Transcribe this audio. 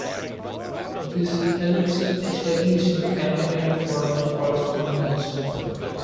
This helps establish a timeline for the correspondence.